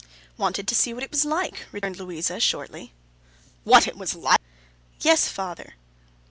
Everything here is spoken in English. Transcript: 'Wanted to see what it was like,' returned Louisa, shortly. 'What it was like?' 'Yes, father.